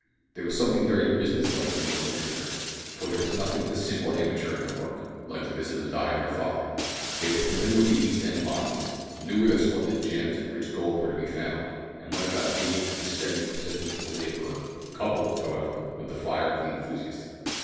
There was something very businesslike in these missionaries, for there was nothing of the simply amateur in their work like the visit of Di and her father. They were familiar with the East end mines; knew where splendid gems and rich gold were to be found, and went about digging with the steady persistence of the labourer, coupled, however, with the fire of the enthusiast.